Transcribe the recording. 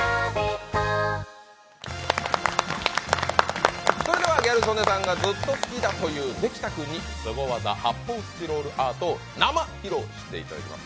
続くそれではギャル曽根さんがずっと好きだというできたくんにすご技発泡スチロールアートを生披露していただきます